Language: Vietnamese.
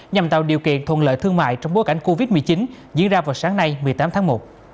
nhằm tạo điều kiện thuận lợi thương mại trong bối cảnh covid một mươi chín diễn ra vào sáng nay một mươi tám tháng một